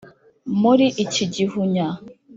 Muri iki gihunya,